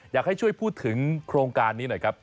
อยากให้ช่วยพูดถึงโครงการนี้หน่อยครับ